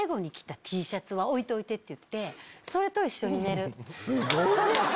置いといて！って言ってそれと一緒に寝る。